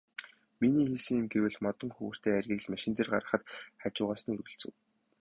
Миний хийсэн юм гэвэл модон хөхүүртэй айргийг л машин дээр гаргахад хажуугаас нь өргөлцөв.